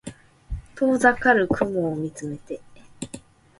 遠ざかる雲を見つめて